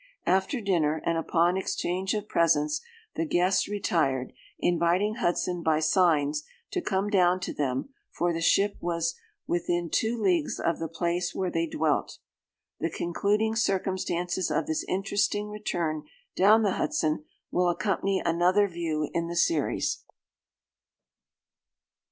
"After dinner, and upon exchange of presents, the guests retired, inviting Hudson by signs to come down to them; for the ship was within two leagues of the place where they dwelt." The concluding circumstances of this interesting return down the Hudson, will accompany another view in the series.